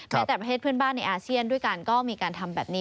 แต่ประเทศเพื่อนบ้านในอาเซียนด้วยกันก็มีการทำแบบนี้